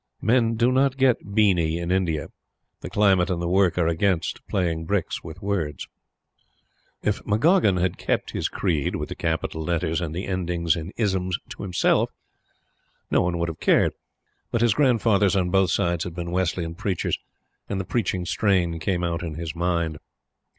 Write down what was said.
Men do not get "beany" in India. The climate and the work are against playing bricks with words. If McGoggin had kept his creed, with the capital letters and the endings in "isms," to himself, no one would have cared; but his grandfathers on both sides had been Wesleyan preachers, and the preaching strain came out in his mind.